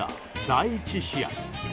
第１試合。